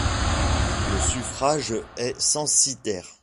Le suffrage est censitaire.